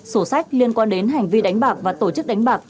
sổ sách liên quan đến hành vi đánh bạc và tổ chức đánh bạc